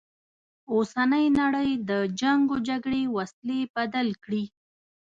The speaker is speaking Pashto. اوسنۍ نړی د جنګ و جګړې وسیلې بدل کړي.